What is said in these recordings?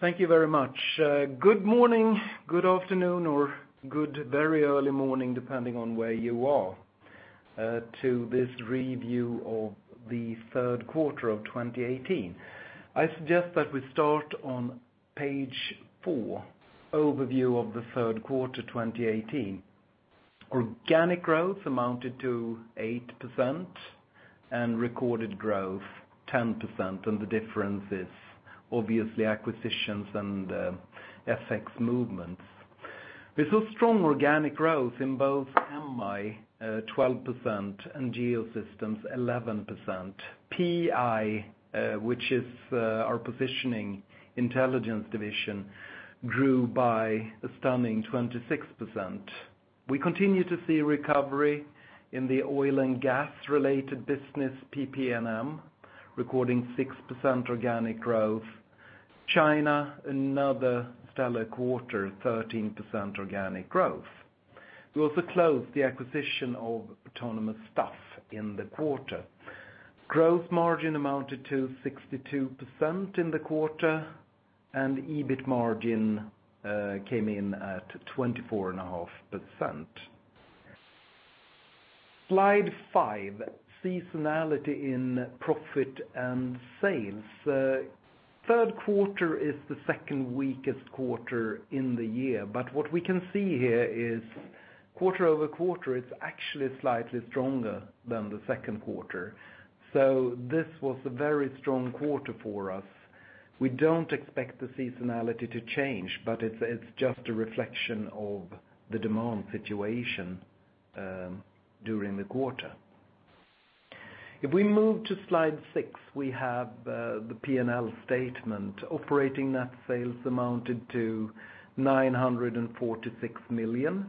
Thank you very much. Good morning, good afternoon, or good very early morning, depending on where you are, to this review of the third quarter of 2018. I suggest that we start on page four, overview of the third quarter 2018. Organic growth amounted to 8% and recorded growth 10%, the difference is obviously acquisitions and FX movements. We saw strong organic growth in both MI, 12%, and Geosystems, 11%. PI, which is our positioning intelligence division, grew by a stunning 26%. We continue to see recovery in the oil and gas-related business, PPM, recording 6% organic growth. China, another stellar quarter, 13% organic growth. We also closed the acquisition of AutonomouStuff in the quarter. Growth margin amounted to 62% in the quarter, and EBIT margin came in at 24.5%. Slide five, seasonality in profit and sales. Third quarter is the second weakest quarter in the year, but what we can see here is quarter-over-quarter, it's actually slightly stronger than the second quarter. This was a very strong quarter for us. We don't expect the seasonality to change, but it's just a reflection of the demand situation during the quarter. We move to slide six, we have the P&L statement. Operating net sales amounted to 946 million,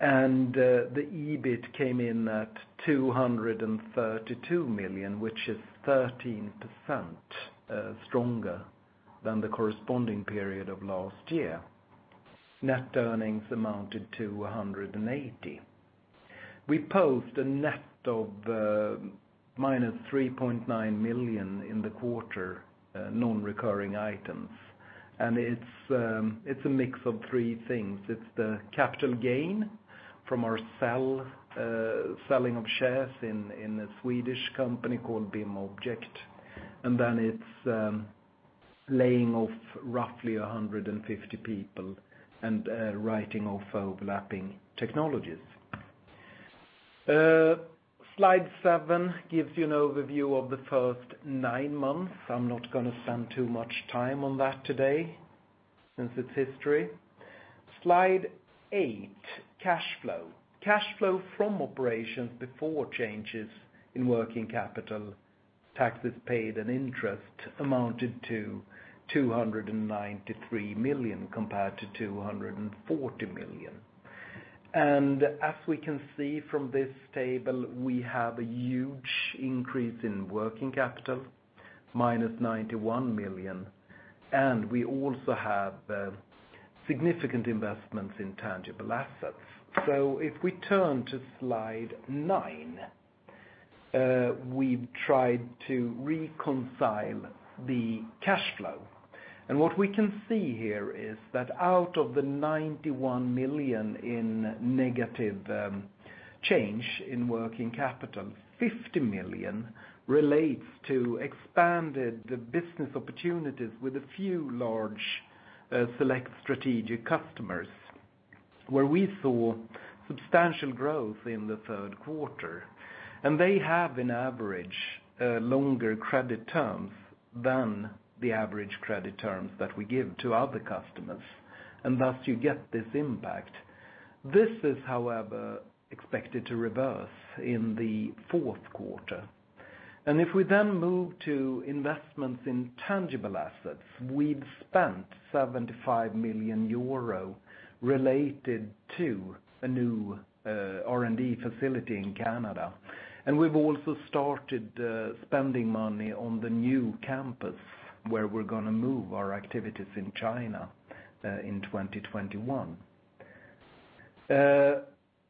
the EBIT came in at 232 million, which is 13% stronger than the corresponding period of last year. Net earnings amounted to 180 million. We post a net of minus 3.9 million in the quarter non-recurring items, it's a mix of three things. It's the capital gain from our selling of shares in a Swedish company called BIMobject, it's laying off roughly 150 people and writing off overlapping technologies. Slide seven gives you an overview of the first nine months. I'm not going to spend too much time on that today since it's history. Slide eight, cash flow. Cash flow from operations before changes in working capital, taxes paid, and interest amounted to 293 million compared to 240 million. As we can see from this table, we have a huge increase in working capital, minus 91 million, we also have significant investments in tangible assets. We turn to slide nine, we've tried to reconcile the cash flow. What we can see here is that out of the 91 million in negative change in working capital, 50 million relates to expanded business opportunities with a few large select strategic customers, where we saw substantial growth in the third quarter. They have an average longer credit terms than the average credit terms that we give to other customers, thus you get this impact. This is, however, expected to reverse in the fourth quarter. We then move to investments in tangible assets, we've spent 75 million euro related to a new R&D facility in Canada. We've also started spending money on the new campus where we're going to move our activities in China in 2021.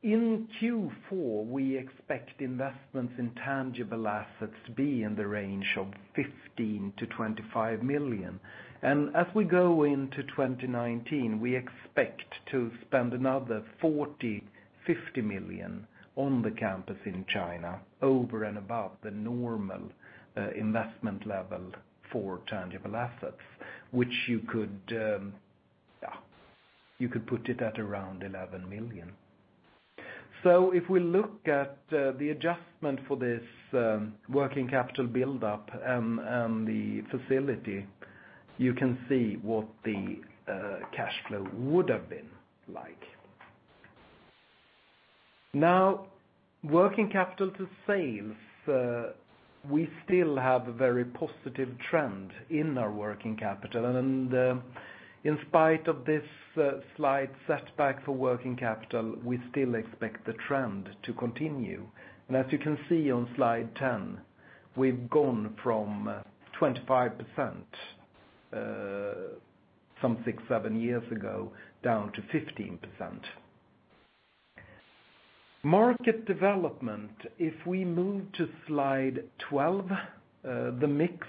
In Q4, we expect investments in tangible assets to be in the range of 15 million-25 million. As we go into 2019, we expect to spend another 40 million-50 million on the campus in China over and above the normal investment level for tangible assets, which you could put it at around 11 million. If we look at the adjustment for this working capital buildup and the facility, you can see what the cash flow would have been like. Working capital to sales, we still have a very positive trend in our working capital. In spite of this slight setback for working capital, we still expect the trend to continue. As you can see on slide 10, we have gone from 25% some six, seven years ago down to 15%. Market development. If we move to slide 12, the mix,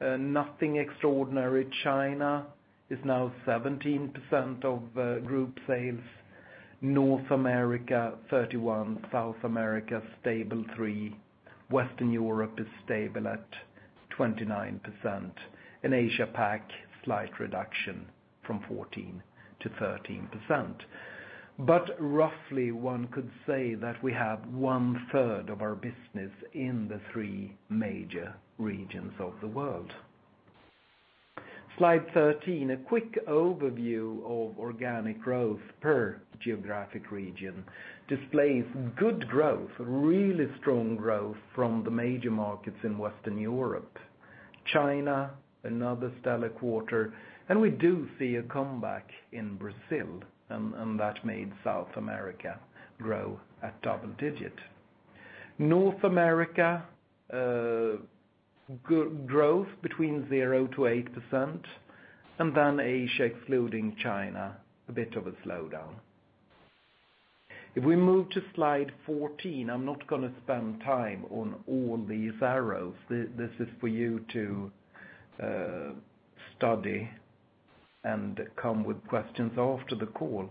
nothing extraordinary. China is now 17% of group sales. North America, 31%, South America, stable 3%, Western Europe is stable at 29%, and Asia Pac, slight reduction from 14% to 13%. Roughly one could say that we have one third of our business in the three major regions of the world. Slide 13, a quick overview of organic growth per geographic region displays good growth, really strong growth from the major markets in Western Europe. China, another stellar quarter. We do see a comeback in Brazil, and that made South America grow at double-digit. North America, growth between 0% to 8%, and Asia, excluding China, a bit of a slowdown. If we move to slide 14, I am not going to spend time on all these arrows. This is for you to study and come with questions after the call.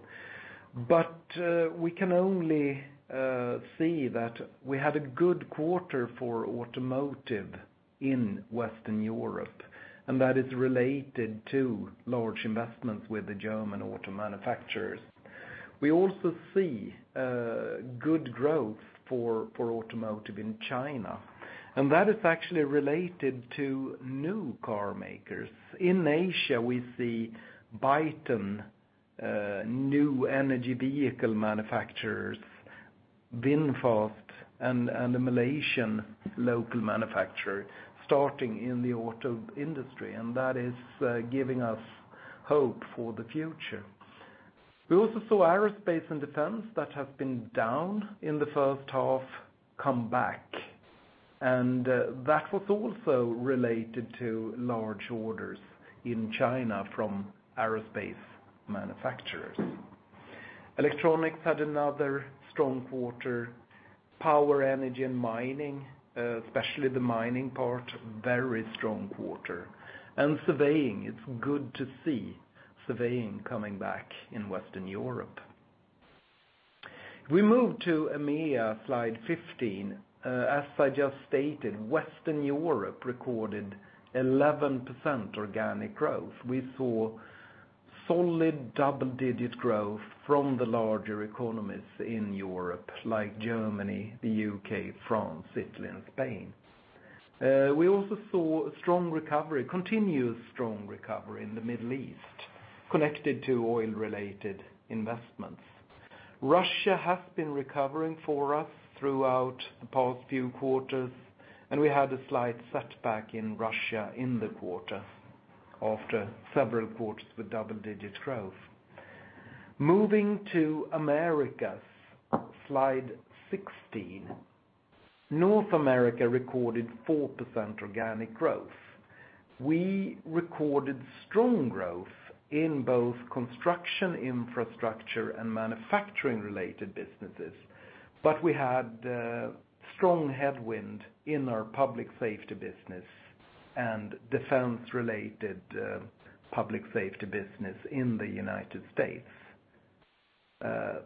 We can only see that we had a good quarter for automotive in Western Europe, and that is related to large investments with the German auto manufacturers. We also see good growth for automotive in China, and that is actually related to new car makers. In Asia, we see Byton, new energy vehicle manufacturers, VinFast, and a Malaysian local manufacturer starting in the auto industry, and that is giving us hope for the future. We also saw aerospace and defense that have been down in the first half come back, and that was also related to large orders in China from aerospace manufacturers. Electronics had another strong quarter, power, energy, and mining, especially the mining part, very strong quarter. Surveying, it is good to see surveying coming back in Western Europe. We move to EMEA, slide 15. As I just stated, Western Europe recorded 11% organic growth. We saw solid double-digit growth from the larger economies in Europe, like Germany, the U.K., France, Italy, and Spain. We also saw a strong recovery, continuous strong recovery in the Middle East connected to oil-related investments. Russia has been recovering for us throughout the past few quarters. We had a slight setback in Russia in the quarter after several quarters with double-digit growth. Moving to Americas, slide 16. North America recorded 4% organic growth. We recorded strong growth in both construction infrastructure and manufacturing-related businesses, but we had a strong headwind in our public safety business and defense-related public safety business in the U.S.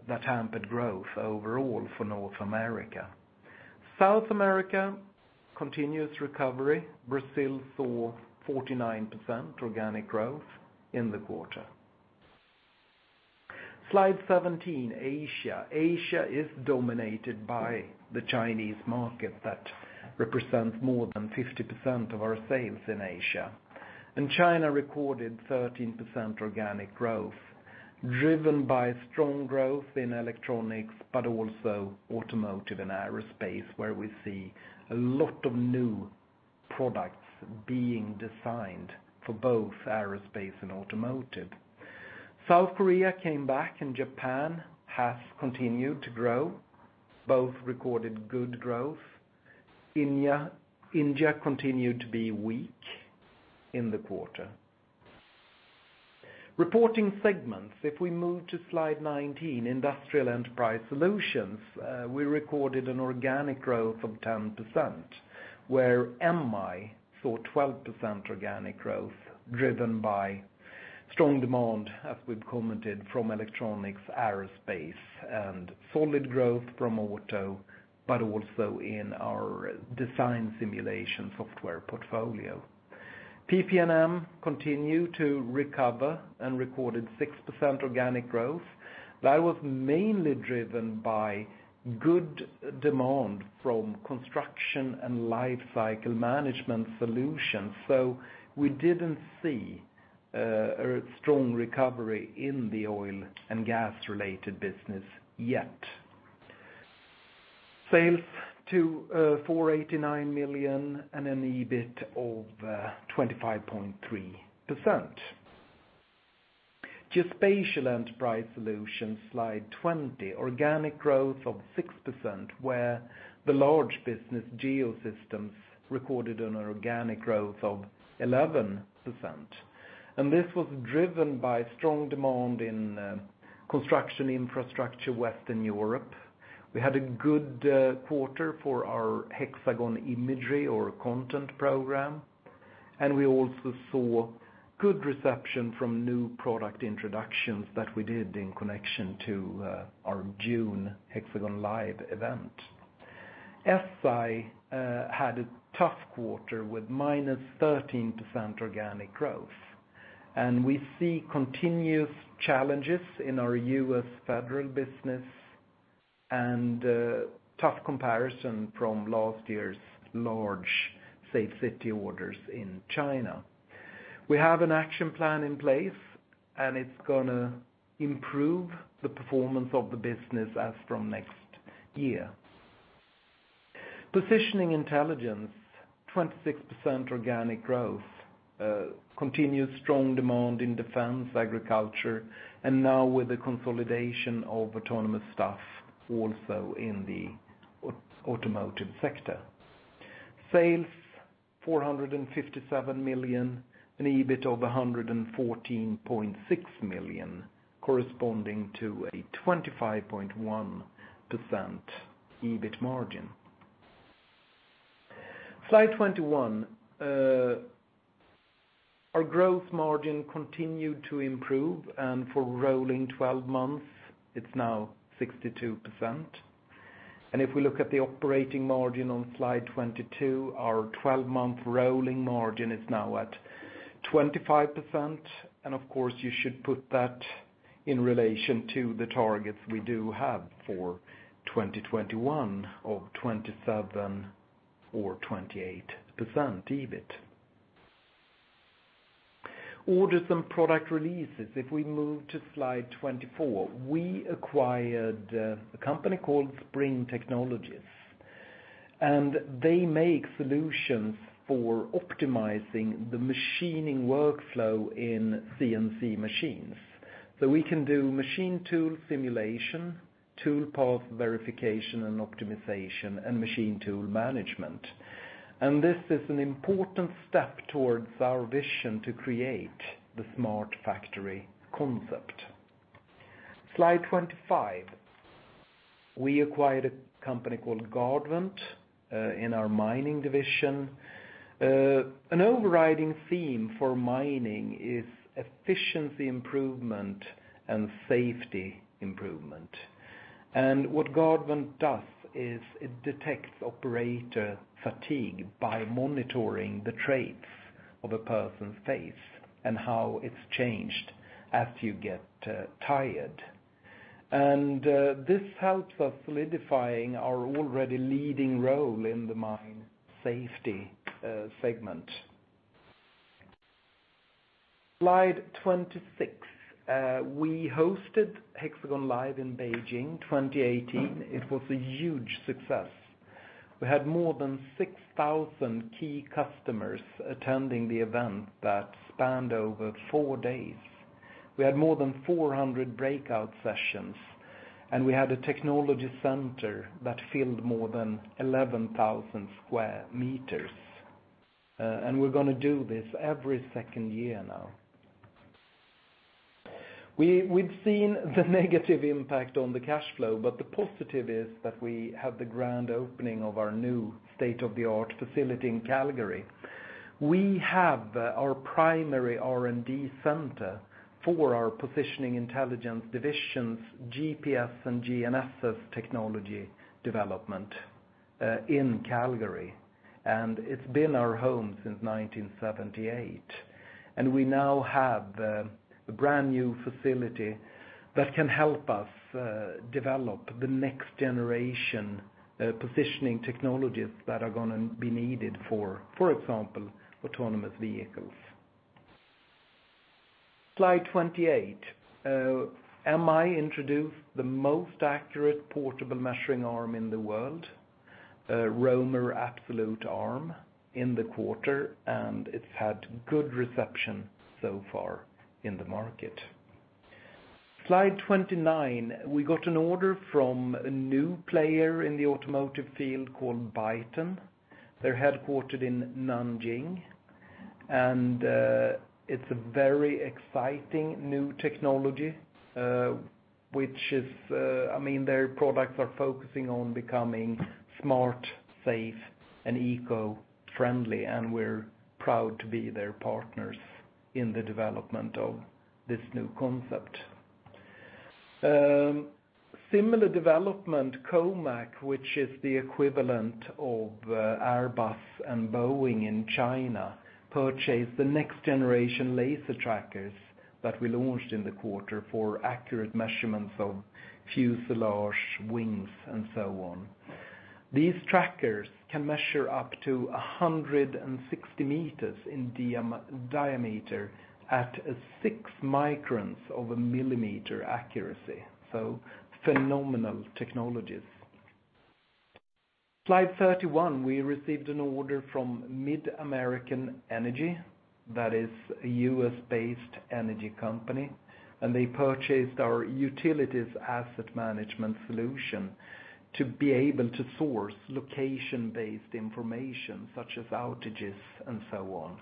that hampered growth overall for North America. South America, continuous recovery. Brazil saw 49% organic growth in the quarter. Slide 17, Asia. Asia is dominated by the Chinese market that represents more than 50% of our sales in Asia. China recorded 13% organic growth, driven by strong growth in electronics, but also automotive and aerospace, where we see a lot of new products being designed for both aerospace and automotive. South Korea came back, Japan has continued to grow. Both recorded good growth. India continued to be weak in the quarter. Reporting segments. If we move to slide 19, Industrial Enterprise Solutions, we recorded an organic growth of 10%, where MI saw 12% organic growth, driven by strong demand, as we've commented, from electronics, aerospace, and solid growth from auto, but also in our design simulation software portfolio. Hexagon PPM continued to recover and recorded 6% organic growth. That was mainly driven by good demand from construction and lifecycle management solutions. We didn't see a strong recovery in the oil and gas-related business yet. Sales 489 million and an EBIT of 25.3%. Safety, Infrastructure & Geospatial, slide 20. Organic growth of 6%, where the large business Geosystems recorded an organic growth of 11%. This was driven by strong demand in construction infrastructure, Western Europe. We had a good quarter for our Hexagon Content Program, and we also saw good reception from new product introductions that we did in connection to our June HxGN LIVE event. SI had a tough quarter with minus 13% organic growth, and we see continuous challenges in our U.S. federal business and a tough comparison from last year's large Safe City orders in China. We have an action plan in place, and it's going to improve the performance of the business as from next year. Positioning Intelligence, 26% organic growth, continued strong demand in defense, agriculture, and now with the consolidation of AutonomouStuff, also in the automotive sector. Sales 457 million, an EBIT of 114.6 million, corresponding to a 25.1% EBIT margin. Slide 21. Our growth margin continued to improve, and for rolling 12 months, it's now 62%. If we look at the operating margin on Slide 22, our 12-month rolling margin is now at 25%, and of course, you should put that in relation to the targets we do have for 2021 of 27% or 28% EBIT. Orders and product releases. If we move to slide 24, we acquired a company called SPRING Technologies, and they make solutions for optimizing the machining workflow in CNC machines. We can do machine tool simulation, tool path verification and optimization, and machine tool management. This is an important step towards our vision to create the smart factory concept. Slide 25. We acquired a company called Guardvant in our mining division. An overriding theme for mining is efficiency improvement and safety improvement. What Guardvant does is it detects operator fatigue by monitoring the traits of a person's face and how it's changed as you get tired. This helps us solidifying our already leading role in the mine safety segment. Slide 26. We hosted HxGN LIVE in Beijing 2018. It was a huge success. We had more than 6,000 key customers attending the event that spanned over four days. We had more than 400 breakout sessions, and we had a technology center that filled more than 11,000 sq m. We're going to do this every second year now. We've seen the negative impact on the cash flow, the positive is that we have the grand opening of our new state-of-the-art facility in Calgary. We have our primary R&D center for our Positioning Intelligence division's GPS and GNSS technology development in Calgary, and it's been our home since 1978. We now have a brand new facility that can help us develop the next generation positioning technologies that are going to be needed, for example, autonomous vehicles. Slide 28. MI introduced the most accurate portable measuring arm in the world, a ROMER Absolute Arm in the quarter, and it's had good reception so far in the market. Slide 29. We got an order from a new player in the automotive field called Byton. They're headquartered in Nanjing, and it's a very exciting new technology. Their products are focusing on becoming smart, safe, and eco-friendly, and we're proud to be their partners in the development of this new concept. Similar development, COMAC, which is the equivalent of Airbus and Boeing in China, purchased the next generation laser trackers that we launched in the quarter for accurate measurements of fuselage, wings, and so on. These trackers can measure up to 160 meters in diameter at a six microns of a millimeter accuracy. Phenomenal technologies. Slide 31, we received an order from MidAmerican Energy, that is a U.S.-based energy company, and they purchased our utilities asset management solution to be able to source location-based information such as outages and so on.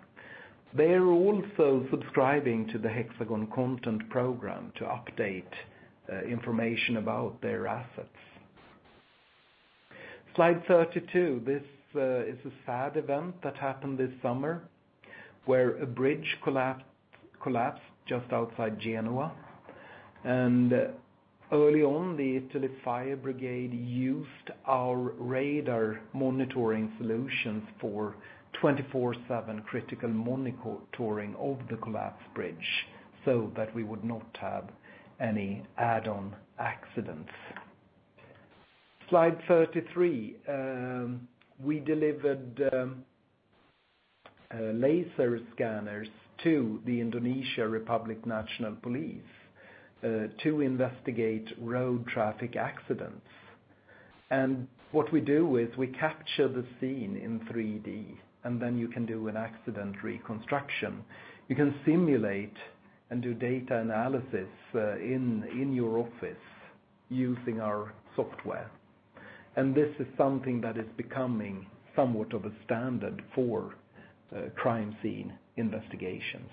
They are also subscribing to the Hexagon Content Program to update information about their assets. Slide 32. This is a sad event that happened this summer where a bridge collapsed just outside Genoa. Early on, the Italy fire brigade used our radar monitoring solutions for 24/7 critical monitoring of the collapsed bridge so that we would not have any add-on accidents. Slide 33. We delivered laser scanners to the Indonesian National Police to investigate road traffic accidents. What we do is we capture the scene in 3D, and then you can do an accident reconstruction. You can simulate and do data analysis in your office using our software. This is something that is becoming somewhat of a standard for crime scene investigations.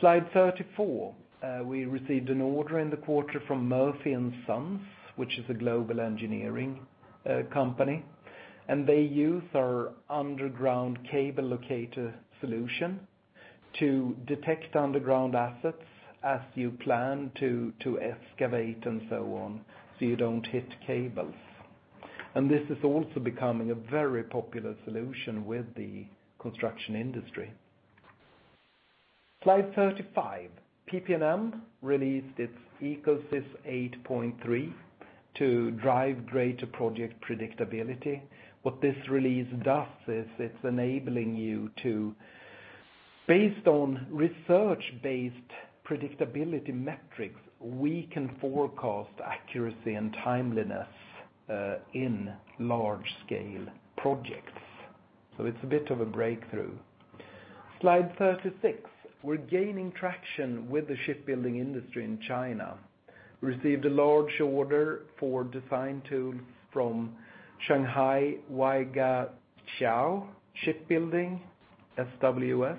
Slide 34. We received an order in the quarter from Murphy & Sons, which is a global engineering company, and they use our underground cable locator solution to detect underground assets as you plan to excavate and so on, so you don't hit cables. This is also becoming a very popular solution with the construction industry. Slide 35. PPM released its EcoSys 8.3 to drive greater project predictability. What this release does is it's enabling you to, based on research-based predictability metrics, we can forecast accuracy and timeliness in large-scale projects. It's a bit of a breakthrough. Slide 36. We're gaining traction with the shipbuilding industry in China. We received a large order for design tools from Shanghai Waigaoqiao Shipbuilding, SWS,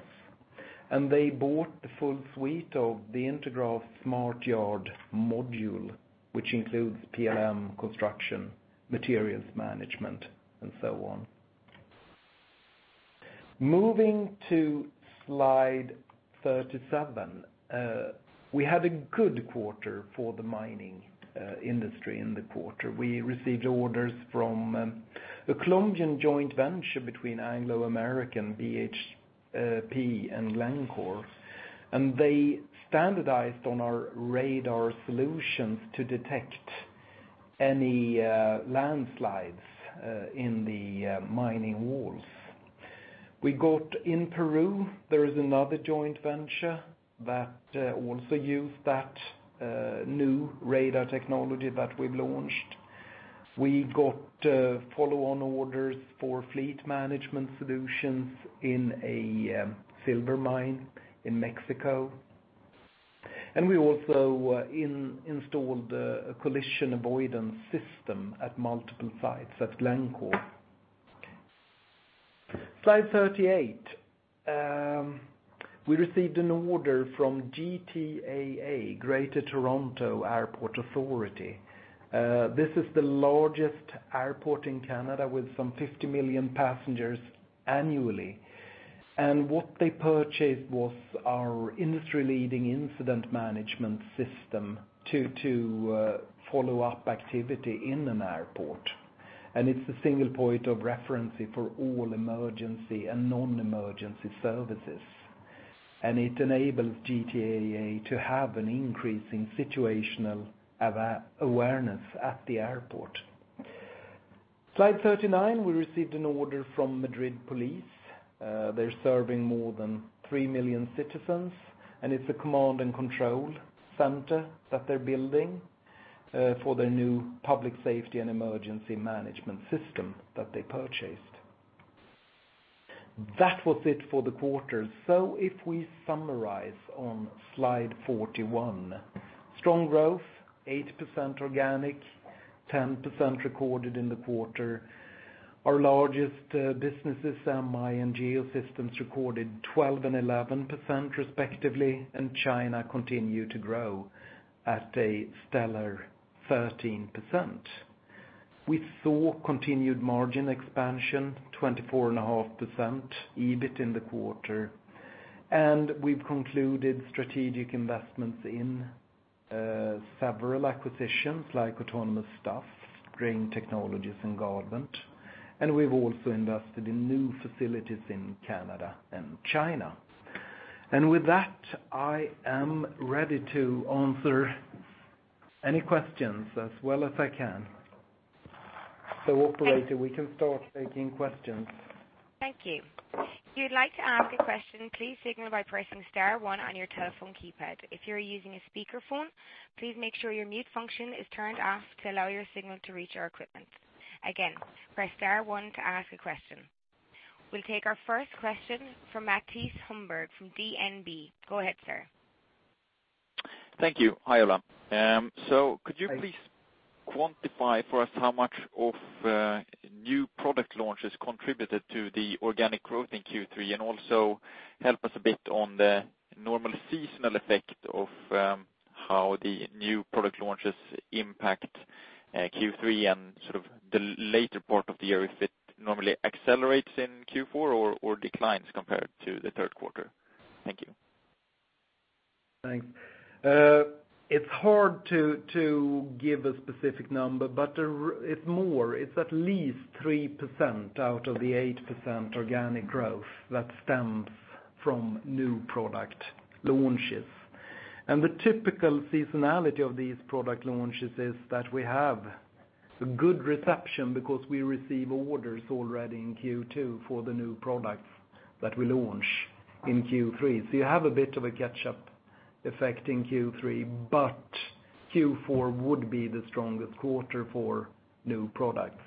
and they bought the full suite of the Intergraph Smart Yard module, which includes PLM construction, materials management, and so on. Moving to slide 37. We had a good quarter for the mining industry in the quarter. We received orders from a Colombian joint venture between Anglo American, BHP, and Glencore, and they standardized on our radar solutions to detect any landslides in the mining walls. We got in Peru, there is another joint venture that also used that new radar technology that we've launched. We got follow-on orders for fleet management solutions in a silver mine in Mexico, and we also installed a collision avoidance system at multiple sites at Glencore. Slide 38. We received an order from GTAA, Greater Toronto Airports Authority. This is the largest airport in Canada with some 50 million passengers annually. What they purchased was our industry-leading incident management system to follow up activity in an airport. It's a single point of reference for all emergency and non-emergency services. It enables GTAA to have an increasing situational awareness at the airport. Slide 39, we received an order from Madrid Police. They're serving more than 3 million citizens, and it's a command and control center that they're building for their new public safety and emergency management system that they purchased. That was it for the quarter. If we summarize on slide 41. Strong growth, 8% organic, 10% recorded in the quarter. Our largest businesses, MI and Geosystems, recorded 12% and 11% respectively, and China continued to grow at a stellar 13%. We saw continued margin expansion, 24.5% EBIT in the quarter. We've concluded strategic investments in several acquisitions, like AutonomouStuff, SPRING Technologies, and Guardvant. We've also invested in new facilities in Canada and China. With that, I am ready to answer any questions as well as I can. Operator, we can start taking questions. Thank you. If you'd like to ask a question, please signal by pressing star one on your telephone keypad. If you are using a speakerphone, please make sure your mute function is turned off to allow your signal to reach our equipment. Again, press star one to ask a question. We'll take our first question from Mattias Holmberg from DNB. Go ahead, sir. Thank you. Hi, Ola. Hi. Could you please quantify for us how much of new product launches contributed to the organic growth in Q3, and also help us a bit on the normal seasonal effect of how the new product launches impact Q3 and sort of the later part of the year, if it normally accelerates in Q4 or declines compared to the third quarter. Thank you. Thanks. It's hard to give a specific number, but it's more, it's at least 3% out of the 8% organic growth that stems from new product launches. The typical seasonality of these product launches is that we have a good reception because we receive orders already in Q2 for the new products that we launch in Q3. You have a bit of a catch-up effect in Q3, but Q4 would be the strongest quarter for new products.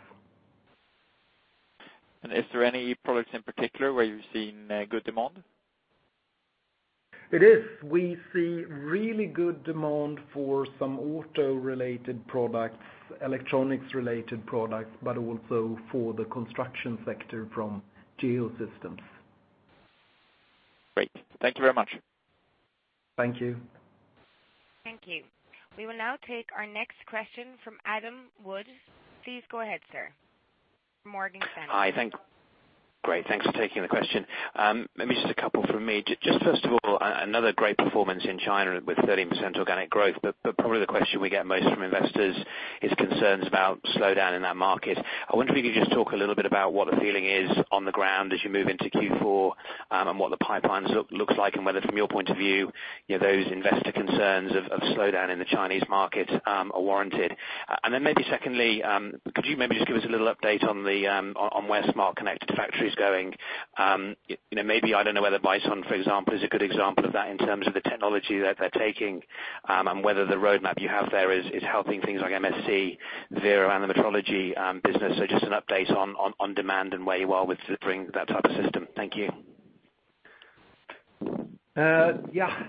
Is there any products in particular where you're seeing good demand? It is. We see really good demand for some auto-related products, electronics-related products, but also for the construction sector from Geosystems. Great. Thank you very much. Thank you. Thank you. We will now take our next question from Adam Wood. Please go ahead, sir from Morgan Stanley. Hi. Great. Thanks for taking the question. Maybe just a couple from me. Just first of all, another great performance in China with 13% organic growth, but probably the question we get most from investors is concerns about slowdown in that market. I wonder if you could just talk a little bit about what the feeling is on the ground as you move into Q4, and what the pipeline looks like, and whether from your point of view, those investor concerns of slowdown in the Chinese market are warranted. Maybe secondly, could you maybe just give us a little update on where smart connected factory is going? Maybe, I don't know whether Byton, for example, is a good example of that in terms of the technology that they're taking, and whether the roadmap you have there is helping things like MSC, Vero, and the metrology business. Just an update on demand and where you are with bringing that type of system. Thank you. Yeah.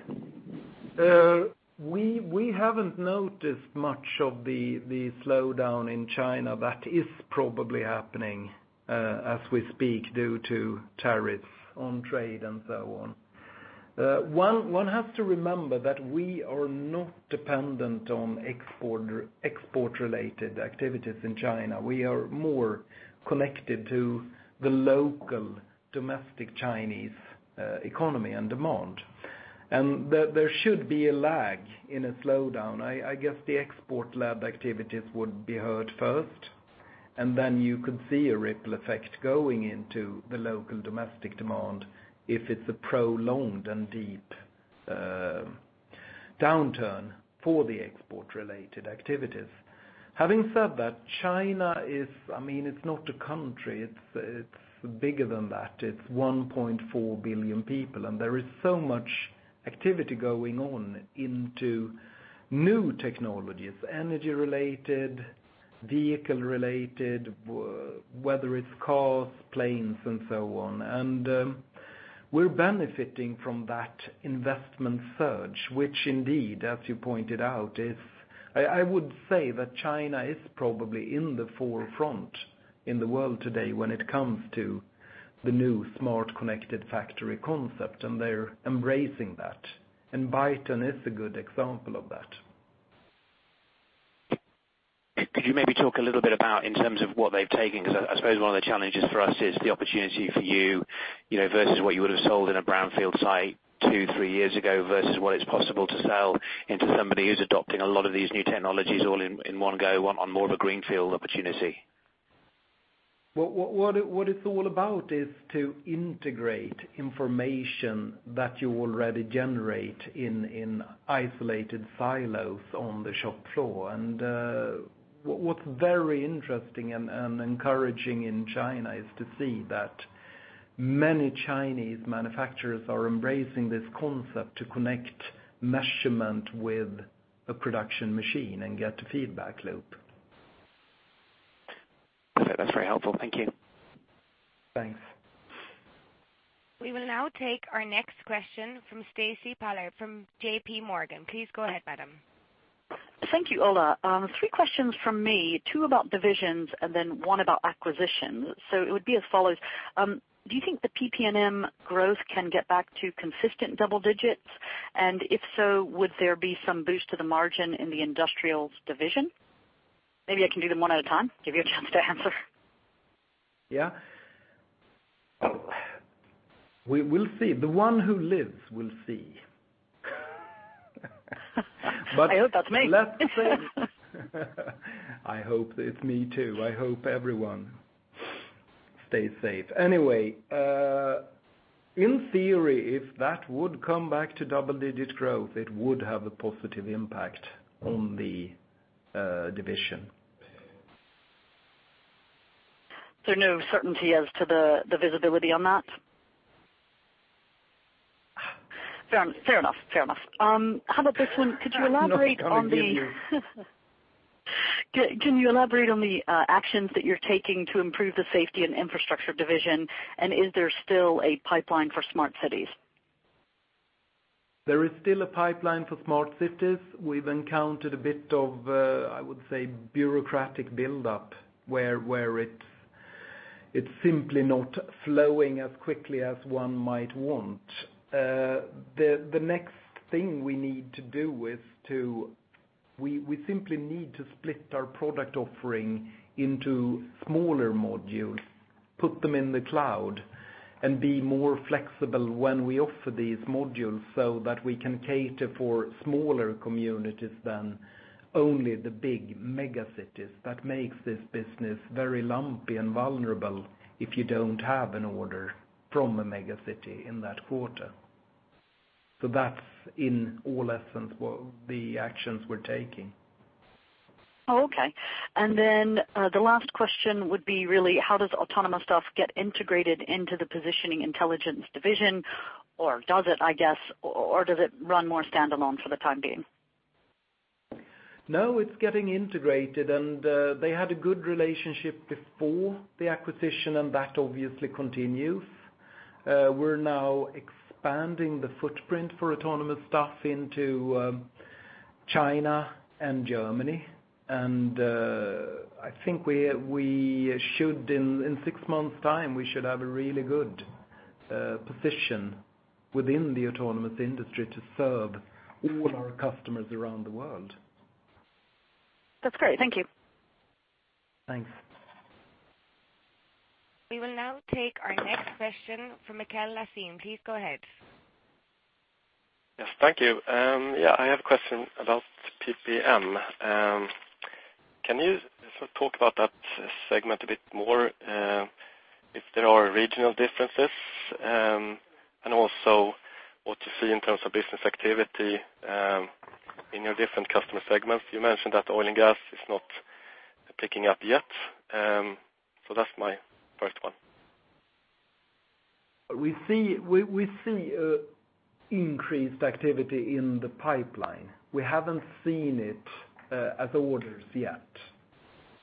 We haven't noticed much of the slowdown in China that is probably happening as we speak due to tariffs on trade and so on. One has to remember that we are not dependent on export-related activities in China. We are more connected to the local domestic Chinese economy and demand, and there should be a lag in a slowdown. I guess the export-led activities would be hurt first, and then you could see a ripple effect going into the local domestic demand if it's a prolonged and deep downturn for the export-related activities. Having said that, China is not a country. It's bigger than that. It's 1.4 billion people, and there is so much activity going on into new technologies, energy-related, vehicle-related, whether it's cars, planes, and so on. We're benefiting from that investment surge, which indeed, as you pointed out, I would say that China is probably in the forefront in the world today when it comes to the new smart connected factory concept, and they're embracing that. Byton is a good example of that. Could you maybe talk a little bit about in terms of what they've taken? Because I suppose one of the challenges for us is the opportunity for you versus what you would have sold in a brownfield site two, three years ago, versus what it's possible to sell into somebody who's adopting a lot of these new technologies all in one go on more of a greenfield opportunity. What it's all about is to integrate information that you already generate in isolated silos on the shop floor. What's very interesting and encouraging in China is to see that many Chinese manufacturers are embracing this concept to connect measurement with a production machine and get a feedback loop. Okay. That's very helpful. Thank you. Thanks. We will now take our next question from Stacy Pollard from J.P. Morgan. Please go ahead, madam. Thank you, Ola. Three questions from me, two about divisions and then one about acquisitions. It would be as follows. Do you think the PP&M growth can get back to consistent double digits? If so, would there be some boost to the margin in the industrials division? Maybe I can do them one at a time, give you a chance to answer. Yeah. We'll see. The one who lives will see. I hope that's me. Let's say I hope it's me too. I hope everyone stays safe. In theory, if that would come back to double-digit growth, it would have a positive impact on the division. No certainty as to the visibility on that? Fair enough. How about this one? Not a common venue Can you elaborate on the actions that you're taking to improve the Safety and Infrastructure division? Is there still a pipeline for smart cities? There is still a pipeline for smart cities. We've encountered a bit of, I would say, bureaucratic buildup, where it's simply not flowing as quickly as one might want. We simply need to split our product offering into smaller modules, put them in the cloud, and be more flexible when we offer these modules so that we can cater for smaller communities than only the big mega cities. That makes this business very lumpy and vulnerable if you don't have an order from a mega city in that quarter. That's in all essence the actions we're taking. Okay. The last question would be really, how does AutonomouStuff get integrated into the Positioning Intelligence division? Or does it, I guess, or does it run more standalone for the time being? It's getting integrated, and they had a good relationship before the acquisition, and that obviously continues. We're now expanding the footprint for AutonomouStuff into China and Germany. I think in six months' time, we should have a really good position within the autonomous industry to serve all our customers around the world. That's great. Thank you. Thanks. We will now take our next question from Mikael Laséen. Please go ahead. Thank you. I have a question about PPM. Can you sort of talk about that segment a bit more, if there are regional differences, and also what you see in terms of business activity in your different customer segments? You mentioned that oil and gas is not picking up yet. That's my first one. We see increased activity in the pipeline. We haven't seen it as orders yet,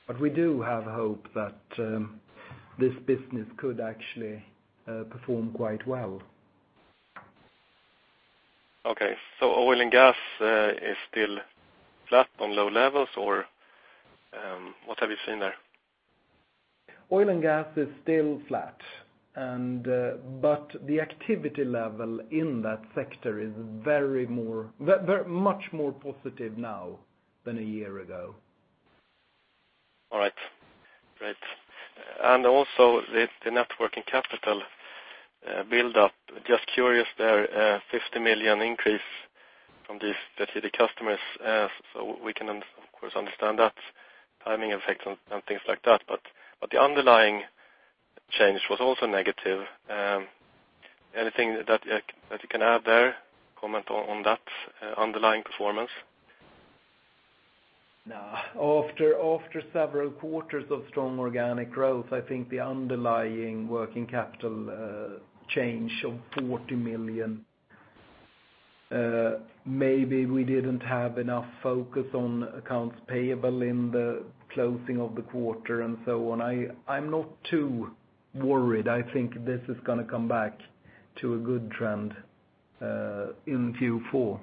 but we do have hope that this business could actually perform quite well. Okay. Oil and gas is still flat on low levels, or what have you seen there? Oil and gas is still flat, the activity level in that sector is much more positive now than a year ago. All right, great. Also the net working capital buildup. Just curious there, a 50 million increase from these [30] customers. We can of course understand that timing effects and things like that, the underlying change was also negative. Anything that you can add there, comment on that underlying performance? No. After several quarters of strong organic growth, I think the underlying working capital change of 40 million, maybe we didn't have enough focus on accounts payable in the closing of the quarter and so on. I'm not too worried. I think this is going to come back to a good trend in Q4.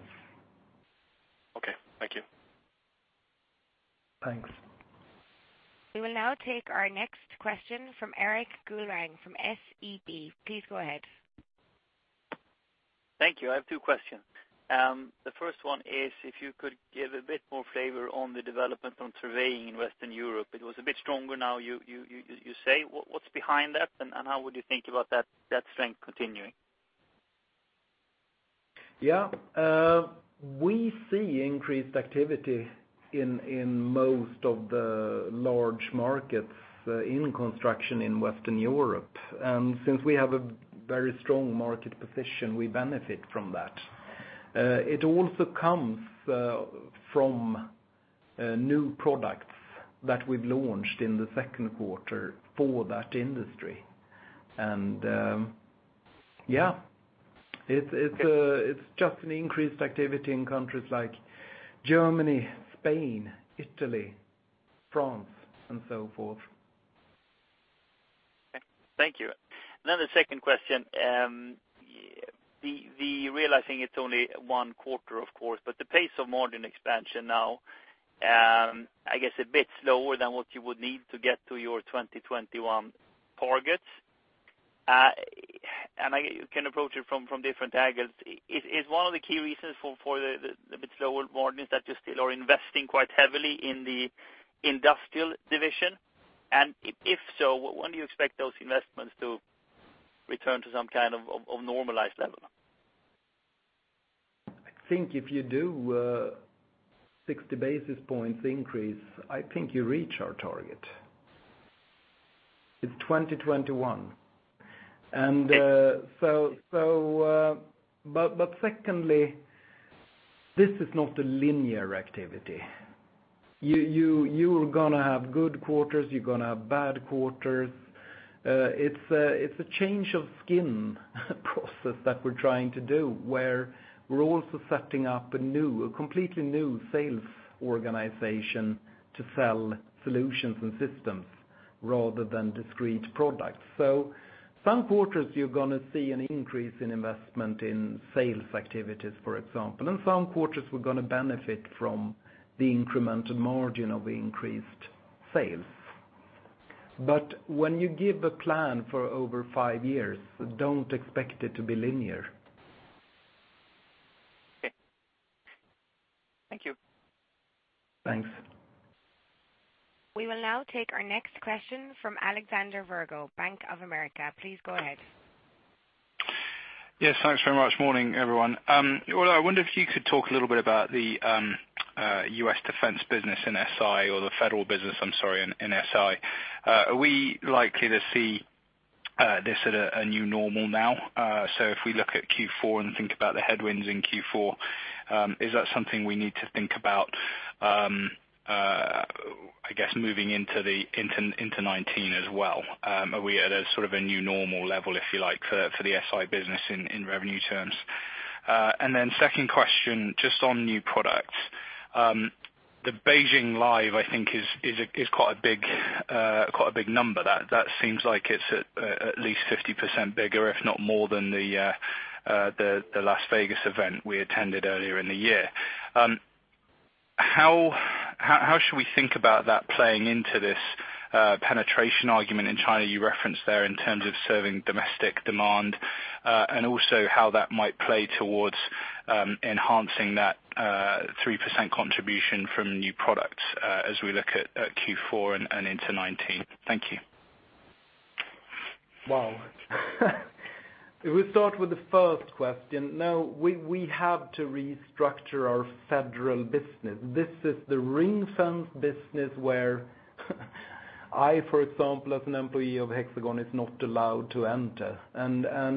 Okay, thank you. Thanks. We will now take our next question from Erik Golrang from SEB. Please go ahead. Thank you. I have two questions. The first one is if you could give a bit more flavor on the development on surveying in Western Europe. It was a bit stronger now, you say. What's behind that, and how would you think about that strength continuing? We see increased activity in most of the large markets in construction in Western Europe. Since we have a very strong market position, we benefit from that. It also comes from new products that we've launched in the second quarter for that industry. Yeah, it's just an increased activity in countries like Germany, Spain, Italy, France, and so forth. Okay. Thank you. The second question. We realize I think it's only one quarter, of course, but the pace of margin expansion now, I guess a bit slower than what you would need to get to your 2021 targets. You can approach it from different angles. Is one of the key reasons for the bit slower margins that you still are investing quite heavily in the industrial division? If so, when do you expect those investments to return to some kind of normalized level? I think if you do a 60 basis points increase, I think you reach our target. It's 2021. Secondly, this is not a linear activity. You are going to have good quarters, you're going to have bad quarters. It's a change of skin process that we're trying to do, where we're also setting up a completely new sales organization to sell solutions and systems, rather than discrete products. Some quarters, you're going to see an increase in investment in sales activities, for example. Some quarters, we're going to benefit from the incremental margin of the increased sales. When you give a plan for over five years, don't expect it to be linear. Okay. Thank you. Thanks. We will now take our next question from Alexander Virgo, Bank of America. Please go ahead. Yes, thanks very much. Morning, everyone. Ola, I wonder if you could talk a little bit about the U.S. Defense business in SI or the federal business, I'm sorry, in SI. Are we likely to see this at a new normal now? If we look at Q4 and think about the headwinds in Q4, is that something we need to think about, I guess, moving into 2019 as well? Are we at a sort of a new normal level, if you like, for the SI business in revenue terms? Second question, just on new products. The HxGN LIVE, I think, is quite a big number. That seems like it's at least 50% bigger, if not more than the Las Vegas event we attended earlier in the year. How should we think about that playing into this penetration argument in China you referenced there in terms of serving domestic demand? Also how that might play towards enhancing that 3% contribution from new products as we look at Q4 and into 2019. Thank you. Wow. If we start with the first question. Now, we have to restructure our federal business. This is the ring-fence business where I, for example, as an employee of Hexagon, is not allowed to enter.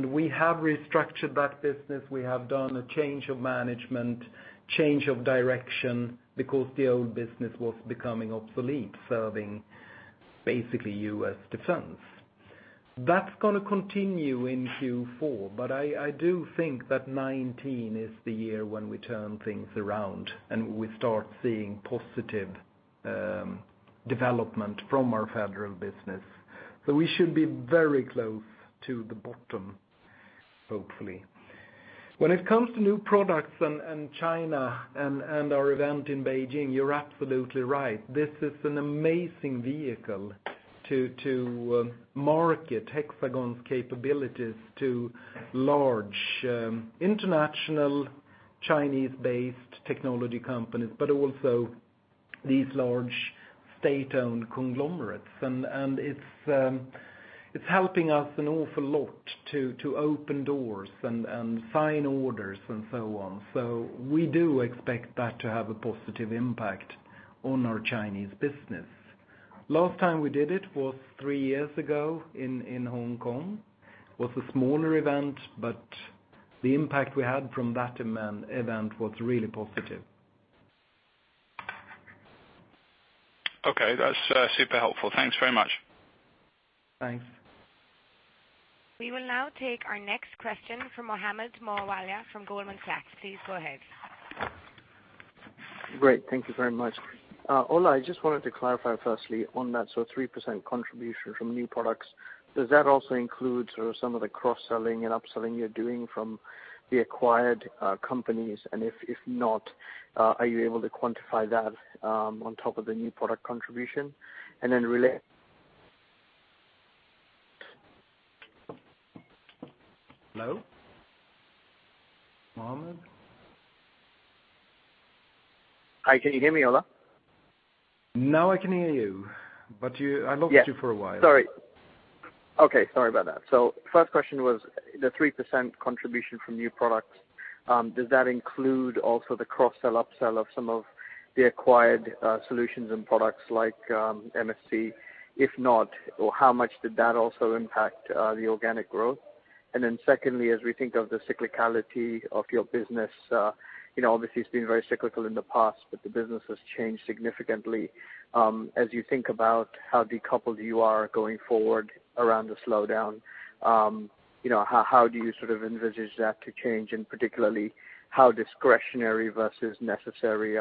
We have restructured that business. We have done a change of management, change of direction because the old business was becoming obsolete, serving basically U.S. defense. That's going to continue in Q4, but I do think that 2019 is the year when we turn things around, and we start seeing positive development from our federal business. We should be very close to the bottom, hopefully. When it comes to new products and China and our event in Beijing, you're absolutely right. This is an amazing vehicle to market Hexagon's capabilities to large international Chinese-based technology companies, but also these large state-owned conglomerates. It's helping us an awful lot to open doors and sign orders and so on. We do expect that to have a positive impact on our Chinese business. Last time we did it was three years ago in Hong Kong. It was a smaller event, but the impact we had from that event was really positive. Okay, that's super helpful. Thanks very much. Thanks. We will now take our next question from Mohammed Moawalla from Goldman Sachs. Please go ahead. Great. Thank you very much. Ola, I just wanted to clarify firstly on that sort of 3% contribution from new products. Does that also include sort of some of the cross-selling and upselling you're doing from the acquired companies? If not, are you able to quantify that on top of the new product contribution? Hello? Mohammed? Hi, can you hear me, Ola? Now I can hear you, but I lost you for a while. Sorry. Okay, sorry about that. First question was the 3% contribution from new products, does that include also the cross-sell, up-sell of some of the acquired solutions and products like MSC? If not, how much did that also impact the organic growth? Then secondly, as we think of the cyclicality of your business, obviously it's been very cyclical in the past, but the business has changed significantly. As you think about how decoupled you are going forward around the slowdown, how do you sort of envisage that to change, and particularly how discretionary versus necessary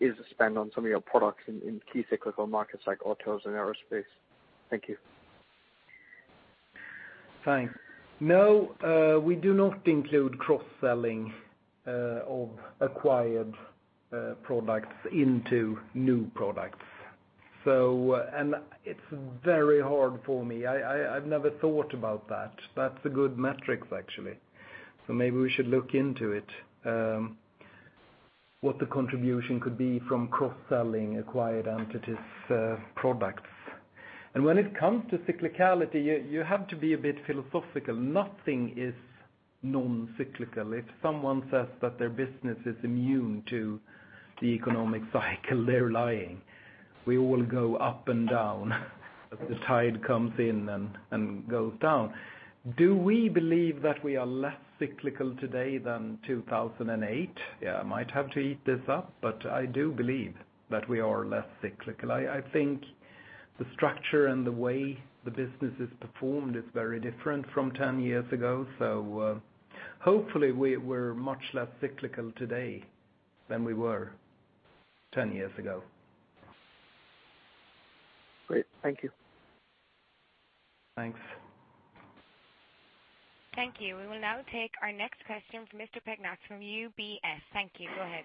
is the spend on some of your products in key cyclical markets like autos and aerospace? Thank you. Thanks. No, we do not include cross-selling of acquired products into new products. It's very hard for me. I've never thought about that. That's a good metric, actually. Maybe we should look into it, what the contribution could be from cross-selling acquired entities products. When it comes to cyclicality, you have to be a bit philosophical. Nothing is non-cyclical. If someone says that their business is immune to the economic cycle, they're lying. We all go up and down. As the tide comes in and goes down. Do we believe that we are less cyclical today than 2008? Yeah, I might have to eat this up, but I do believe that we are less cyclical. I think the structure and the way the business is performed is very different from 10 years ago. Hopefully we're much less cyclical today than we were 10 years ago. Great. Thank you. Thanks. Thank you. We will now take our next question from Guillermo Peigneux-Lojo from UBS. Thank you. Go ahead.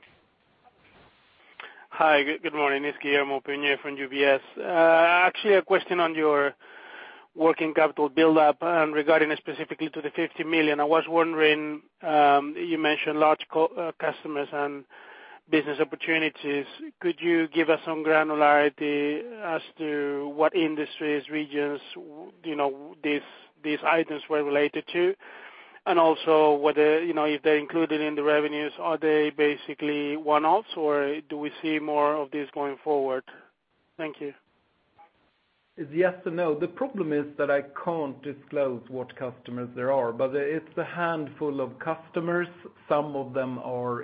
Hi. Good morning. It's Guillermo Peigneux from UBS. Actually, a question on your working capital buildup, regarding specifically to the 50 million. I was wondering, you mentioned large customers and business opportunities. Could you give us some granularity as to what industries, regions these items were related to? Also, if they're included in the revenues, are they basically one-offs, or do we see more of this going forward? Thank you. It's yes and no. The problem is that I can't disclose what customers they are, but it's a handful of customers. Some of them are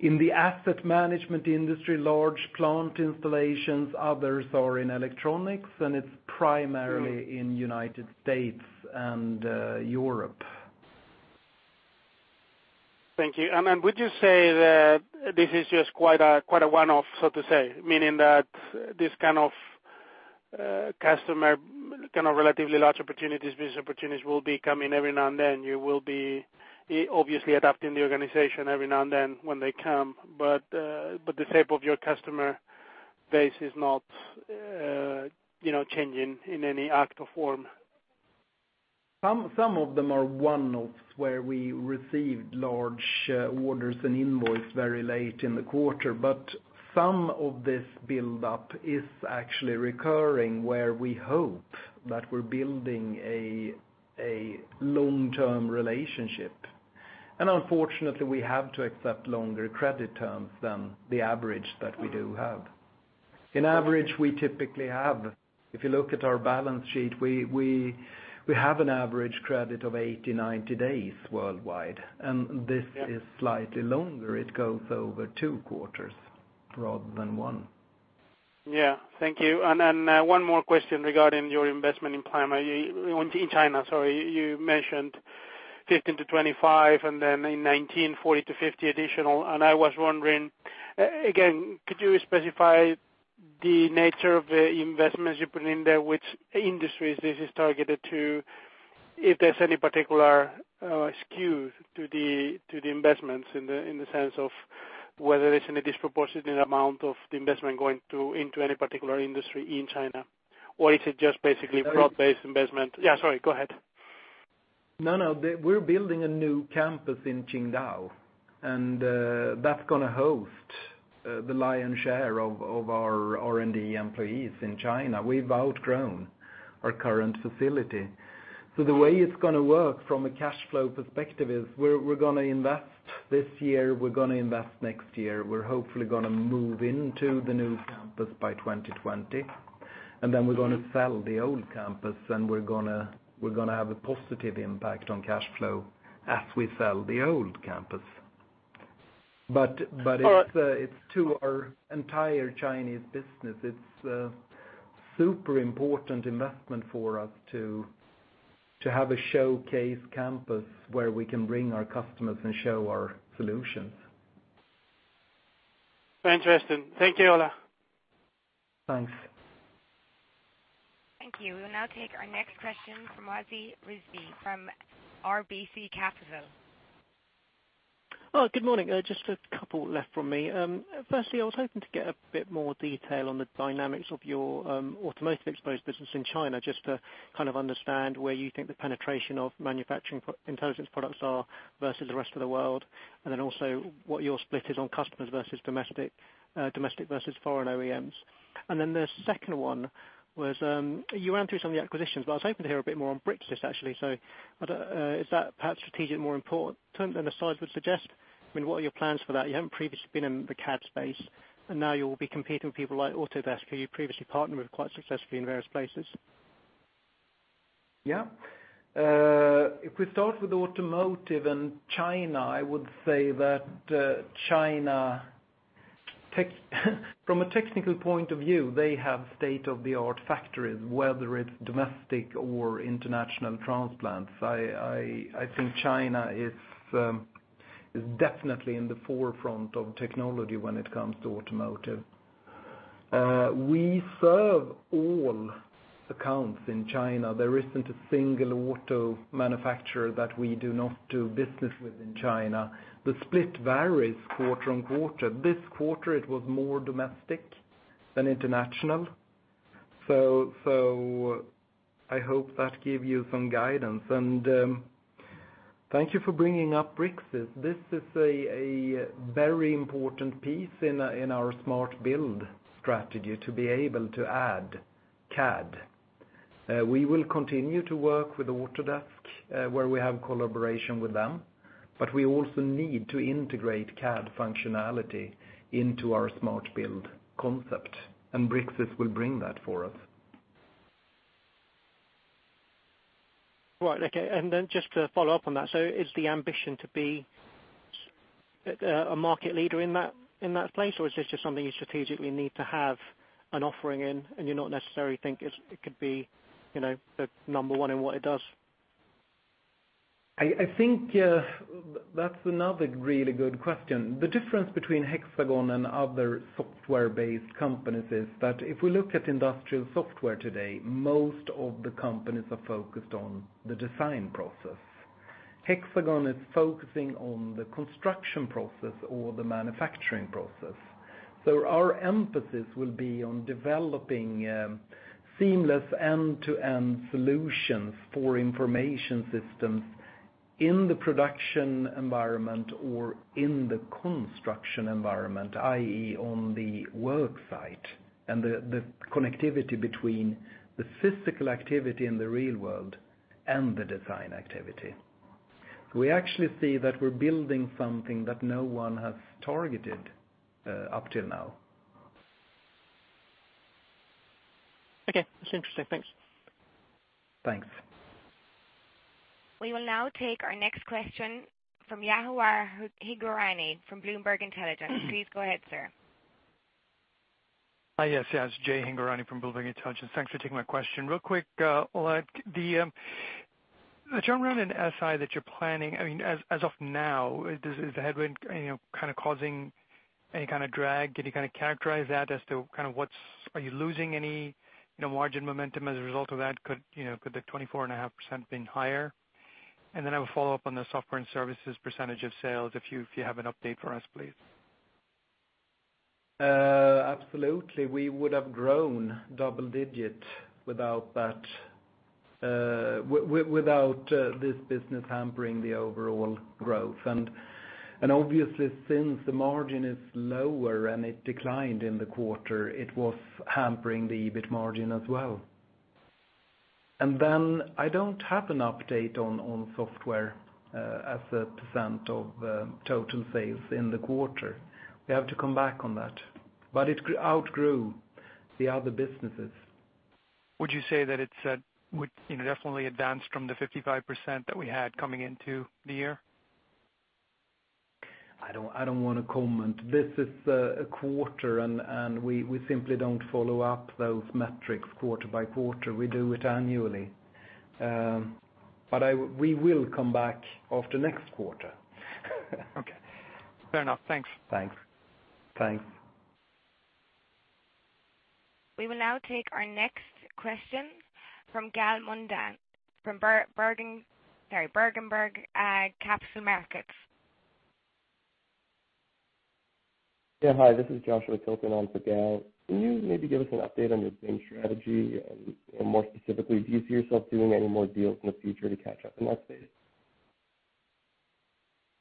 in the asset management industry, large plant installations, others are in electronics, and it's primarily in the U.S. and Europe. Thank you. Would you say that this is just quite a one-off, so to say? Meaning that this kind of customer, kind of relatively large business opportunities will be coming every now and then. You will be obviously adapting the organization every now and then when they come. The shape of your customer base is not changing in any act or form. Some of them are one-offs, where we received large orders and invoice very late in the quarter. Some of this buildup is actually recurring, where we hope that we're building a long-term relationship. Unfortunately, we have to accept longer credit terms than the average that we do have. In average, we typically have, if you look at our balance sheet, we have an average credit of 80, 90 days worldwide, and this is slightly longer. It goes over two quarters rather than one. Yeah. Thank you. One more question regarding your investment in China. You mentioned 15 to 25, and then in 2019, 40 to 50 additional. I was wondering, again, could you specify the nature of the investments you put in there, which industries this is targeted to? If there's any particular skew to the investments in the sense of whether it's in a disproportionate amount of the investment going into any particular industry in China, or is it just basically broad-based investment? Yeah, sorry. Go ahead. No, we're building a new campus in Qingdao, and that's going to host the lion's share of our R&D employees in China. We've outgrown our current facility. The way it's going to work from a cash flow perspective is we're going to invest this year, we're going to invest next year. We're hopefully going to move into the new campus by 2020, and then we're going to sell the old campus, and we're going to have a positive impact on cash flow as we sell the old campus. It's to our entire Chinese business. It's super important investment for us to have a showcase campus where we can bring our customers and show our solutions. Interesting. Thank you, Ola. Thanks. Thank you. We'll now take our next question from Wajid Rizvi, from RBC Capital. Good morning. Just a couple left from me. Firstly, I was hoping to get a bit more detail on the dynamics of your automotive exposed business in China, just to kind of understand where you think the penetration of manufacturing intelligence products are versus the rest of the world. Also what your split is on customers versus domestic versus foreign OEMs. The second one was, you ran through some of the acquisitions, but I was hoping to hear a bit more on Bricsys, actually. Is that perhaps strategic more important than the size would suggest? I mean, what are your plans for that? You haven't previously been in the CAD space, and now you'll be competing with people like Autodesk, who you previously partnered with quite successfully in various places. Yeah. If we start with automotive and China, I would say that China, from a technical point of view, they have state-of-the-art factories, whether it's domestic or international transplants. I think China is definitely in the forefront of technology when it comes to automotive. We serve all accounts in China. There isn't a single auto manufacturer that we do not do business with in China. The split varies quarter on quarter. This quarter it was more domestic than international. I hope that give you some guidance. Thank you for bringing up Bricsys. This is a very important piece in our Smart Build strategy, to be able to add CAD. We will continue to work with Autodesk, where we have collaboration with them, but we also need to integrate CAD functionality into our Smart Build concept, and Bricsys will bring that for us. Right. Okay. Just to follow up on that, is the ambition to be a market leader in that place, or is this just something you strategically need to have an offering in, and you not necessarily think it could be the number one in what it does? I think that's another really good question. The difference between Hexagon and other software-based companies is that if we look at industrial software today, most of the companies are focused on the design process. Hexagon is focusing on the construction process or the manufacturing process. Our emphasis will be on developing seamless end-to-end solutions for information systems in the production environment or in the construction environment, i.e., on the work site, and the connectivity between the physical activity in the real world and the design activity. We actually see that we're building something that no one has targeted up till now. Okay. That's interesting. Thanks. Thanks. We will now take our next question from Jawahar Hingorani from Bloomberg Intelligence. Please go ahead, sir. Yes, Jawahar Hingorani from Bloomberg Intelligence. Thanks for taking my question. Real quick, Ola, the churn around in SI that you're planning, as of now, is the headwind causing any kind of drag? Can you characterize that as to are you losing any margin momentum as a result of that? Could the 24.5% been higher? I will follow up on the software and services percentage of sales, if you have an update for us, please. Absolutely. We would have grown double digit without this business hampering the overall growth. Obviously since the margin is lower and it declined in the quarter, it was hampering the EBIT margin as well. I don't have an update on software as a % of total sales in the quarter. We have to come back on that. It outgrew the other businesses. Would you say that it would definitely advance from the 55% that we had coming into the year? I don't want to comment. This is a quarter, we simply don't follow up those metrics quarter by quarter. We do it annually. We will come back after next quarter. Okay. Fair enough. Thanks. Thanks. We will now take our next question from Gal Munda from Berenberg Capital Markets. Yeah. Hi, this is Joshua Tilton on for Gal. Can you maybe give us an update on your BIM strategy, more specifically, do you see yourself doing any more deals in the future to catch up in that space?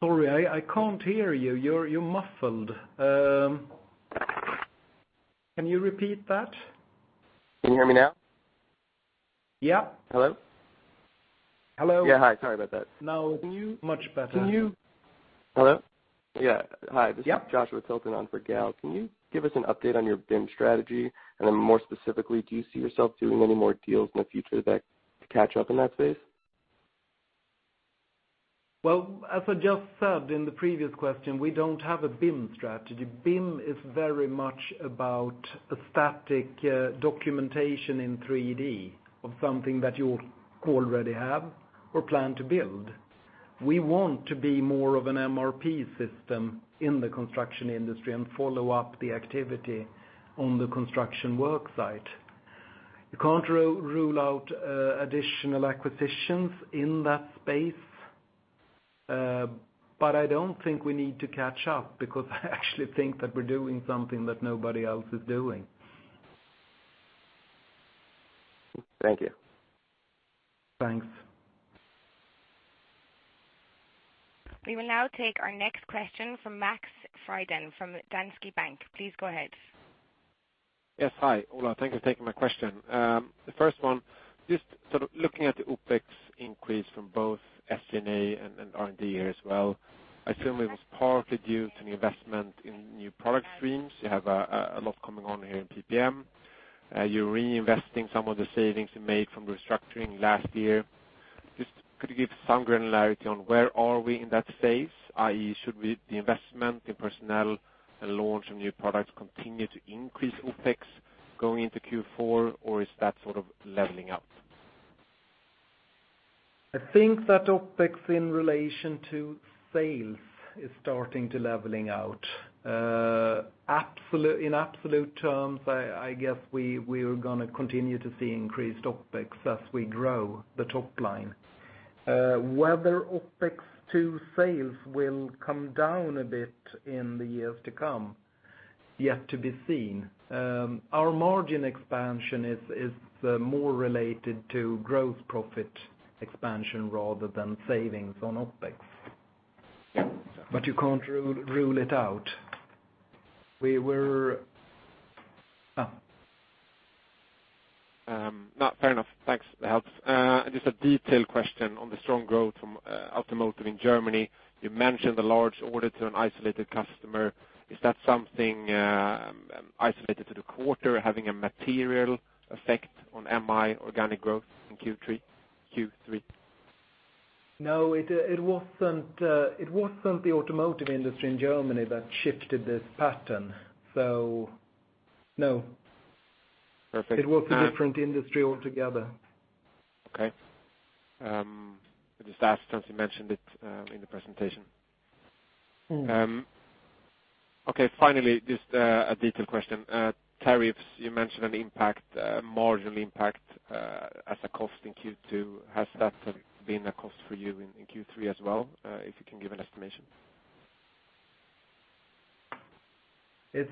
Sorry, I can't hear you. You're muffled. Can you repeat that? Can you hear me now? Yeah. Hello? Hello. Yeah. Hi, sorry about that. Now, much better. Hello? Yeah. Hi. Yeah. This is Joshua Tilton on for Gal. Can you give us an update on your BIM strategy, and then more specifically, do you see yourself doing any more deals in the future to catch up in that space? Well, as I just said in the previous question, we don't have a BIM strategy. BIM is very much about a static documentation in 3D of something that you already have or plan to build. We want to be more of an MRP system in the construction industry and follow up the activity on the construction work site. You can't rule out additional acquisitions in that space. I don't think we need to catch up because I actually think that we're doing something that nobody else is doing. Thank you. Thanks. We will now take our next question from Max [Friden] from Danske Bank. Please go ahead. Yes. Hi, Ola. Thank you for taking my question. The first one, just sort of looking at the OpEx increase from both SG&A and R&D here as well, I assume it was partly due to the investment in new product streams. You have a lot coming on here in PPM. You're reinvesting some of the savings you made from restructuring last year. Just could you give some granularity on where are we in that phase, i.e., should the investment in personnel and launch of new products continue to increase OpEx going into Q4, or is that sort of leveling out? I think that OpEx in relation to sales is starting to leveling out. In absolute terms, I guess we're going to continue to see increased OpEx as we grow the top line. Whether OpEx to sales will come down a bit in the years to come, yet to be seen. Our margin expansion is more related to growth profit expansion rather than savings on OpEx. You can't rule it out No. Fair enough. Thanks. Just a detailed question on the strong growth from automotive in Germany. You mentioned the large order to an isolated customer. Is that something isolated to the quarter having a material effect on MI organic growth in Q3? No, it wasn't the automotive industry in Germany that shifted this pattern, so no. Perfect. It was a different industry altogether. Okay. I just asked since you mentioned it in the presentation. Okay. Finally, just a detailed question. Tariffs, you mentioned a marginal impact as a cost in Q2. Has that been a cost for you in Q3 as well? If you can give an estimation. It's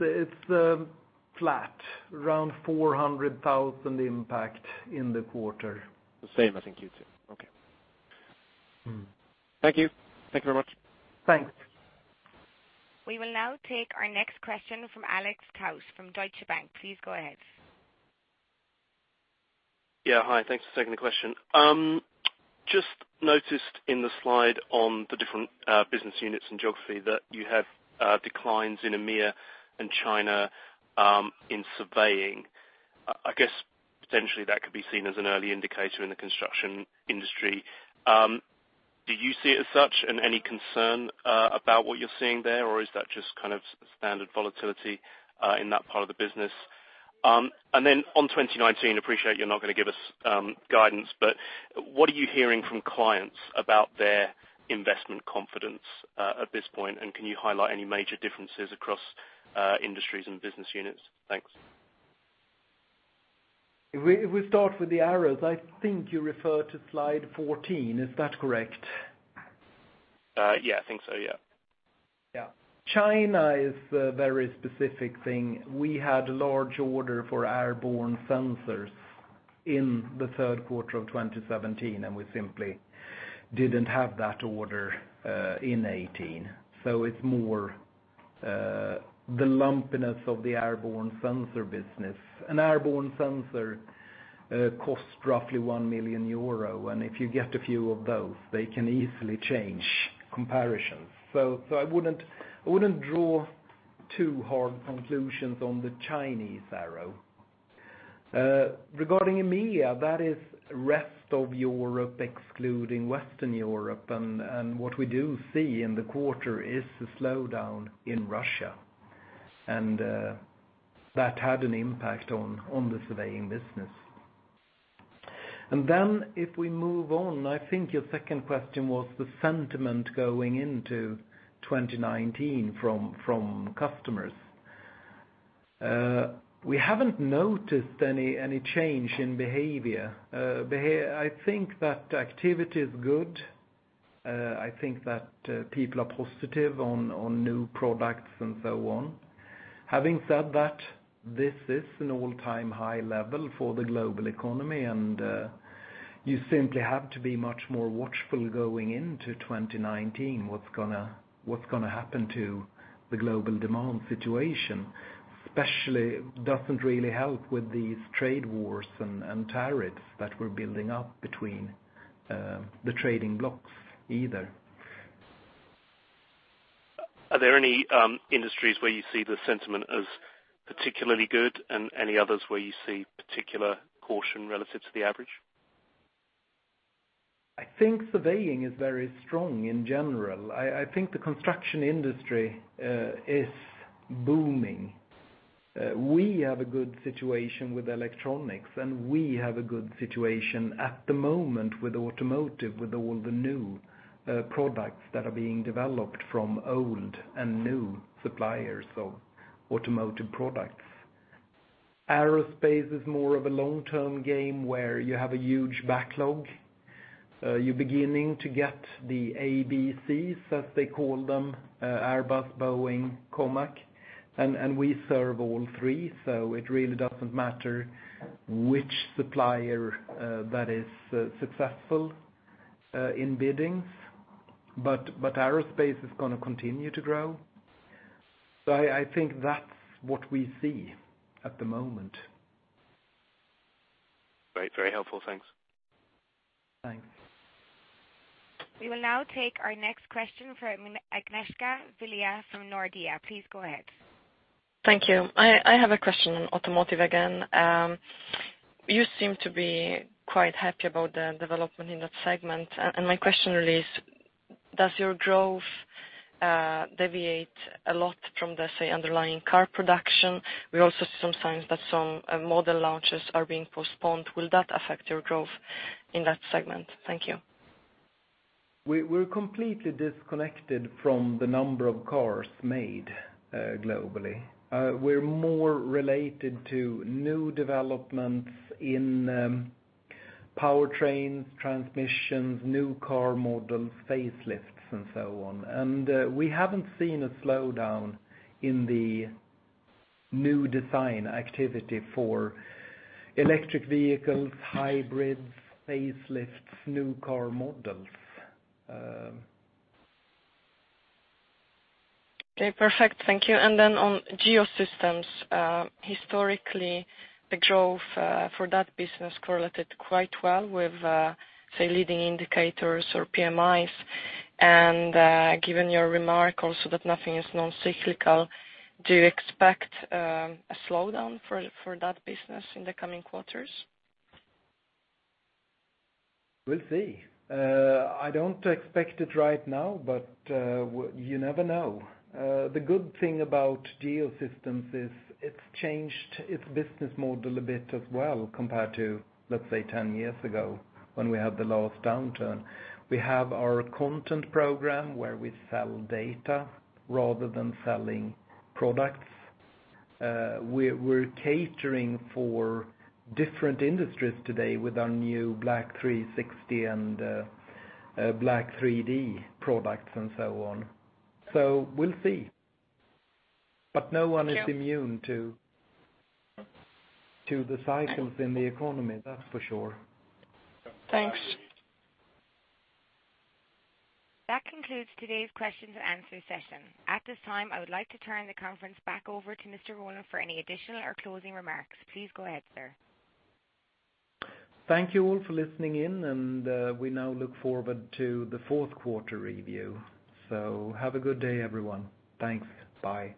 flat, around 400,000 impact in the quarter. The same as in Q2. Okay. Thank you. Thank you very much. Thanks. We will now take our next question from Alexander Kraus from Deutsche Bank. Please go ahead. Hi. Thanks for taking the question. Just noticed in the slide on the different business units and geography that you have declines in EMEA and China, in surveying. I guess potentially that could be seen as an early indicator in the construction industry. Do you see it as such, and any concern about what you're seeing there, or is that just standard volatility in that part of the business? On 2019, appreciate you're not going to give us guidance, but what are you hearing from clients about their investment confidence at this point? Can you highlight any major differences across industries and business units? Thanks. If we start with the arrows, I think you refer to slide 14. Is that correct? Yeah, I think so, yeah. China is a very specific thing. We had a large order for airborne sensors in the third quarter of 2017, and we simply didn't have that order in 2018. It's more the lumpiness of the airborne sensor business. An airborne sensor costs roughly one million EUR, and if you get a few of those, they can easily change comparisons. I wouldn't draw two hard conclusions on the Chinese arrow. Regarding EMEA, that is rest of Europe excluding Western Europe, and what we do see in the quarter is a slowdown in Russia, and that had an impact on the surveying business. If we move on, I think your second question was the sentiment going into 2019 from customers. We haven't noticed any change in behavior. I think that activity is good. I think that people are positive on new products and so on. Having said that, this is an all-time high level for the global economy, and you simply have to be much more watchful going into 2019, what's going to happen to the global demand situation. Especially doesn't really help with these trade wars and tariffs that we're building up between the trading blocks either. Are there any industries where you see the sentiment as particularly good, and any others where you see particular caution relative to the average? I think surveying is very strong in general. I think the construction industry is booming. We have a good situation with electronics, and we have a good situation at the moment with automotive, with all the new products that are being developed from old and new suppliers of automotive products. Aerospace is more of a long-term game where you have a huge backlog. You're beginning to get the ABCs, as they call them, Airbus, Boeing, COMAC, and we serve all three, so it really doesn't matter which supplier that is successful in biddings. Aerospace is going to continue to grow. I think that's what we see at the moment. Great. Very helpful. Thanks. Thanks. We will now take our next question from Agnieszka Ciechomska from Nordea. Please go ahead. Thank you. I have a question on automotive again. You seem to be quite happy about the development in that segment. My question really is, does your growth deviate a lot from the, say, underlying car production? We also see some signs that some model launches are being postponed. Will that affect your growth in that segment? Thank you. We're completely disconnected from the number of cars made globally. We're more related to new developments in powertrains, transmissions, new car models, facelifts, and so on. We haven't seen a slowdown in the new design activity for electric vehicles, hybrids, facelifts, new car models. Okay, perfect. Thank you. On Geosystems, historically, the growth for that business correlated quite well with, say, leading indicators or PMIs, given your remark also that nothing is non-cyclical, do you expect a slowdown for that business in the coming quarters? We'll see. I don't expect it right now. You never know. The good thing about Geosystems is it's changed its business model a bit as well compared to, let's say, 10 years ago when we had the last downturn. We have our Hexagon Content Program where we sell data rather than selling products. We're catering for different industries today with our new Leica BLK360 and Leica BLK3D products and so on. We'll see. No one is immune- Thank you to the cycles in the economy, that's for sure. Thanks. That concludes today's question and answer session. At this time, I would like to turn the conference back over to Mr. Rollén for any additional or closing remarks. Please go ahead, sir. Thank you all for listening in, and we now look forward to the fourth quarter review. Have a good day, everyone. Thanks. Bye.